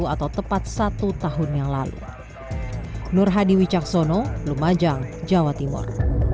atau tepat satu tahun yang lalu nur hadi wicaksono lumajang jawa timur